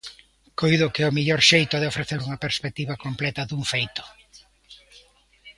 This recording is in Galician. Coido que é o mellor xeito de ofrecer unha perspectiva completa dun feito.